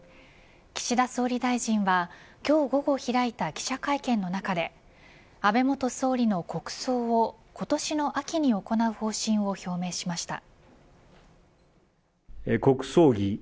岸田総理大臣は今日午後開いた記者会見の中で安倍元総理の国葬を今年の秋に行う方針を表明しました。